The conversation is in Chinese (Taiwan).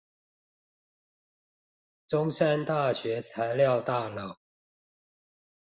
中山大學材料大樓